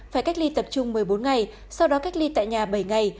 phải cách ly tập trung một mươi bốn ngày sau đó cách ly tại nhà bảy ngày